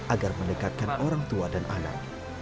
agar mendekatkan orang tua dan anak